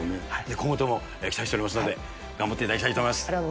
今後とも期待しておりますので頑張っていただきたいと思います。